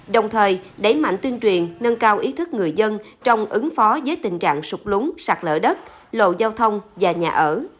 đồng thời đẩy mạnh tuyên truyền nâng cao ý thức người dân trong ứng phó với tình trạng sụp lúng sạt lỡ đất lộ giao thông và nhà ở